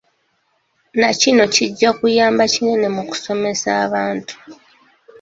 Nakino kijja kuyamba kinene mu kusomesa abantu.